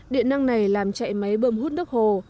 điện năng này làm chạy máy bơm hút nước hồ